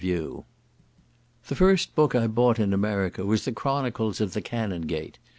The first book I bought in America was the "Chronicles of the Cannongate."